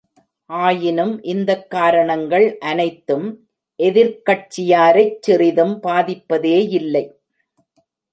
ஆயினும் இந்தக் காரணங்கள் அனைத்தும் எதிர்க் கட்சியாரைச் சிறிதும் பாதிப்பதே யில்லை.